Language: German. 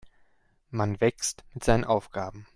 Man wächst mit seinen Aufgaben.